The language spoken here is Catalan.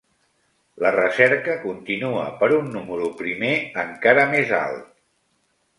La recerca continua per un número primer encara més alt.